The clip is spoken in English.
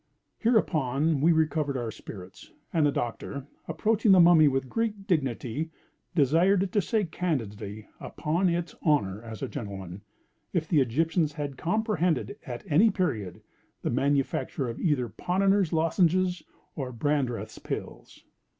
Hereupon we recovered our spirits, and the Doctor, approaching the Mummy with great dignity, desired it to say candidly, upon its honor as a gentleman, if the Egyptians had comprehended, at any period, the manufacture of either Ponnonner's lozenges or Brandreth's pills.